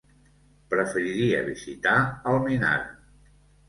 Preferiria visitar Almenara.